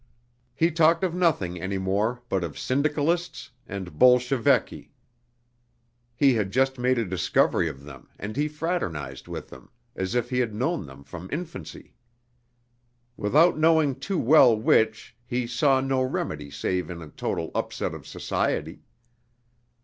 He talked of nothing any more but of syndicalists and bolsheviki; he had just made a discovery of them and he fraternized with them, as if he had known them from infancy. Without knowing too well which, he saw no remedy save in a total upset of society.